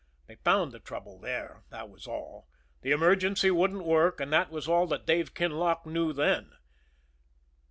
They found the trouble there, that was all. The emergency wouldn't work; and that was all that Dave Kinlock knew then.